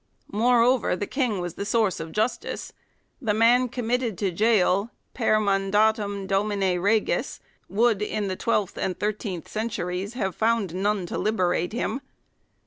Moreover, the King was the source of justice; "the man committed to gaol 'per mandatum domini Regis' would," in the twelfth and thirteenth centuries, " have found none to liberate him."